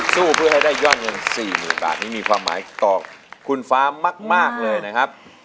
สู้เพื่อให้ได้ยอดเงิน๔๐๐๐บาทนี้มีความหมายต่อคุณฟ้ามากเลยนะครับ